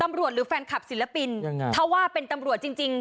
ตำรวจหรือแฟนคลับศิลปินยังไงถ้าว่าเป็นตำรวจจริง